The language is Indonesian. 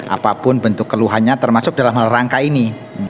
apapun bentuk keluhannya termasuk dalam rangka ini